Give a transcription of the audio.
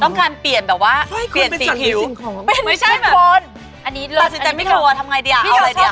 ต้องการเปลี่ยนแบบว่าเปลี่ยนสีผิว